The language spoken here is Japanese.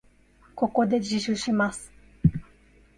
ここで自首します。